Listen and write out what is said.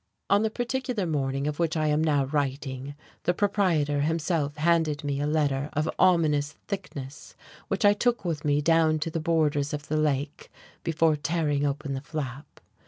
On the particular morning of which I am now writing the proprietor himself handed me a letter of ominous thickness which I took with me down to the borders of the lake before tearing open the flap.